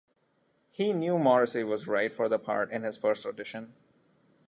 He knew Morrissey was right for the part in his first audition.